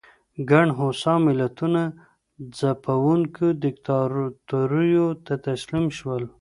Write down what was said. ګڼ هوسا ملتونه ځپونکو دیکتاتوریو ته تسلیم شول.